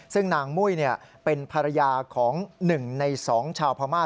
ซึ่งนางมุ้ยเป็นภรรยาของ๑ใน๒ชาวพม่า